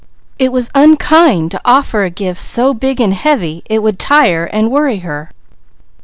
It was unkind to offer a gift so big and heavy it would tire and worry her."